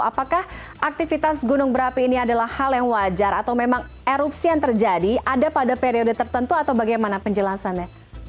apakah aktivitas gunung berapi ini adalah hal yang wajar atau memang erupsi yang terjadi ada pada periode tertentu atau bagaimana penjelasannya